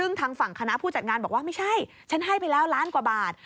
ซึ่งทางฝั่งคณะผู้จัดงานบอกว่าไม่ใช่ฉันให้ไปแล้วล้านกว่าบาท